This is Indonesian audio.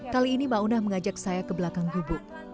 kali ini mauna mengajak saya ke belakang gubuk